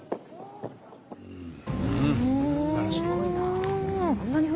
すごいな。